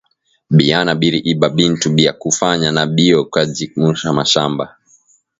Biyana biri iba bintu bia ku fanya nabio Kaji ku mashamba